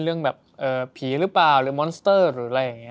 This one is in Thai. เรื่องแบบผีหรือเปล่าหรือมอนสเตอร์หรืออะไรอย่างนี้